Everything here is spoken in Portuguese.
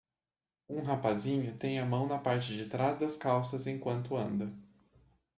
Um rapazinho tem a mão na parte de trás das calças enquanto anda.